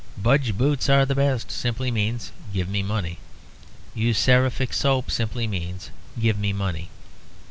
"Budge's Boots are the Best" simply means "Give me money"; "Use Seraphic Soap" simply means "Give me money."